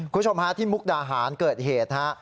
คุณชมฮาที่มุกดาหารเกิดเหตุ